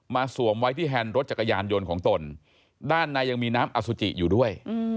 สวมไว้ที่แฮนด์รถจักรยานยนต์ของตนด้านในยังมีน้ำอสุจิอยู่ด้วย